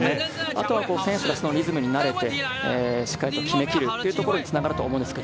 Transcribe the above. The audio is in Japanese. あとは選手がリズムに慣れて、しっかりと決めきるというところにつながると思います。